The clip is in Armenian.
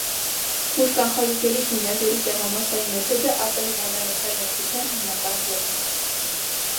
Բուժկանխարգելիչ հիմնարկների տեղամասային մեթոդը արտահիվանդանոցային օգնության հիմնական ձևն է։